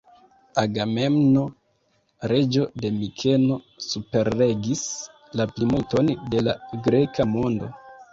Agamemno, reĝo de Mikeno, superregis la plimulton de la greka mondo.